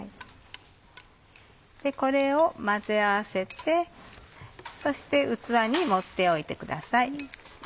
これを混ぜ合わせてそして器に盛っておいてください。